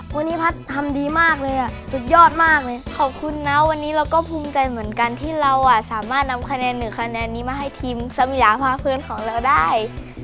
วันนี้พัฒน์ทำดีมากเลยอ่ะสุดยอดมากเลยขอบคุณนะวันนี้เราก็ภูมิใจเหมือนกันที่เราสามารถนำคะแนนหนึ่งคะแนนนี้มาให้ทีมสัมยาภาคพื้นของเราได้